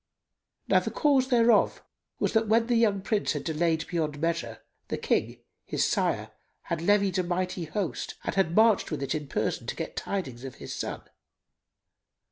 Now the cause thereof was that when the young Prince had delayed beyond measure, the King, his sire, had levied a mighty host and had marched with it in person to get tidings of his son.